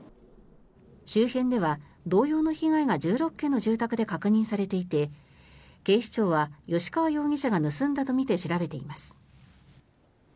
周辺では同様の被害が１６軒の住宅で確認されていて警視庁は吉川容疑者が盗んだとみて調べています。